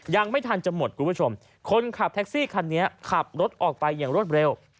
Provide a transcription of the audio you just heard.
ยังไม่ทันจะหมดคุณผู้ชมคนขับแท็กซี่คันนี้ขับรถออกไปอย่างรวดเร็ว